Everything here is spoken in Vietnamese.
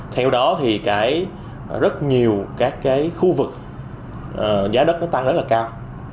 theo đó thì rất nhiều các khu vực giá đất nó tăng rất là cao